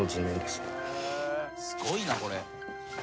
すごいなこれ。